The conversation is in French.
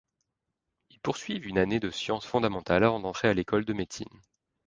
Ils poursuivent une année de sciences fondamentales avant d'entrer à l'école de médecine.